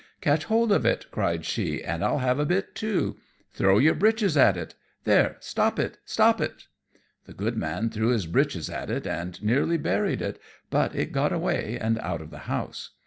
"Catch hold of it," cried she, "and I'll have a bit too. Throw your breeches at it there, stop it stop it!" The goodman threw his breeches at it and nearly buried it, but it got away and out of the house.